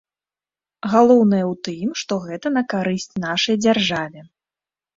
Галоўнае ў тым, што гэта на карысць нашай дзяржаве.